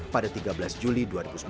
pada tiga belas juli dua ribu sembilan belas